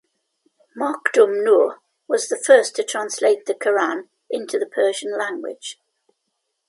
Makhdoom Nooh was the first to translate the Quran into the Persian language.